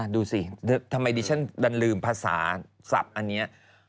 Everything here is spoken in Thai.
ดูสิทำไมดิฉันดันลืมภาษาศัพท์อันนี้